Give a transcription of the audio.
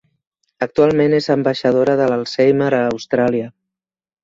Actualment és ambaixadora de l'Alzheimer a Austràlia.